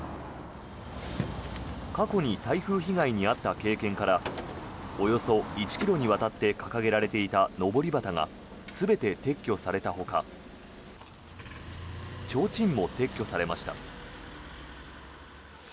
過去に台風被害に遭った経験からおよそ１ｋｍにわたってかかげられていたのぼり旗が全て撤去されたほかちょうちんも撤去されました。